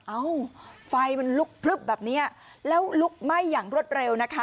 เอ้าไฟมันลุกพลึบแบบนี้แล้วลุกไหม้อย่างรวดเร็วนะคะ